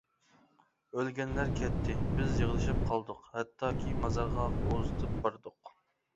ئۆلگەنلەر كەتتى، بىز يىغلىشىپ قالدۇق، ھەتتاكى مازارغا ئۇزىتىپ باردۇق.